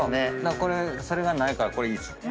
これそれがないからいいっすね。